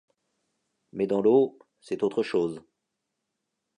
Mais dans l’eau, c’est autre chose.